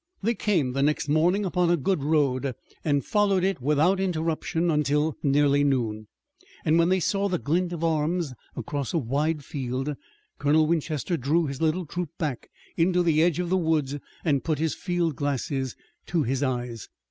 They came the next morning upon a good road and followed it without interruption until nearly noon, when they saw the glint of arms across a wide field. Colonel Winchester drew his little troop back into the edge of the woods, and put his field glasses to his eyes.